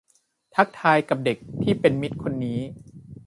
ทักทายกับเด็กที่เป็นมิตรคนนี้